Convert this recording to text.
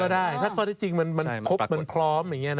ได้ถ้าข้อที่จริงมันครบมันพร้อมอย่างนี้นะ